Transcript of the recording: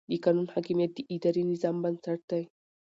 د قانون حاکمیت د اداري نظام بنسټ دی.